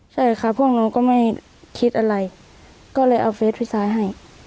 ใช่ค่ะพวกหนูก็ไม่คิดอะไรก็เลยเอาเฟสพี่ซ้ายให้